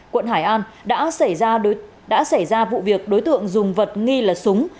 quận hải an đã xảy ra vụ việc đối tượng dùng vật nghi là súng